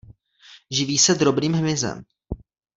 Živí se drobným hmyzem.